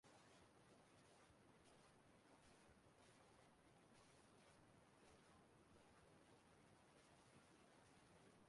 ma kwuo na ọ bụ aka ọrụ ekwensu